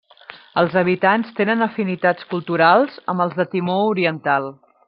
Els habitants tenen afinitats culturals amb els de Timor Oriental.